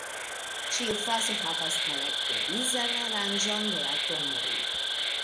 Ĉiu fazo havas karakterizan aranĝon de atomoj.